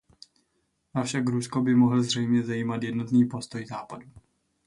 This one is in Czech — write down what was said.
Avšak Rusko by mohl zřejmě zajímat jednotný postoj Západu.